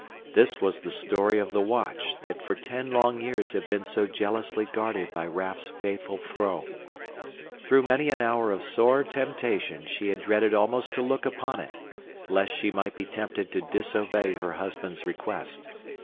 This was the story of the watch that for ten long years had been so jealously guarded by Raff's faithful vrouw. Through many an hour of sore temptation she had dreaded almost to look upon it, lest she might be tempted to disobey her husband's request.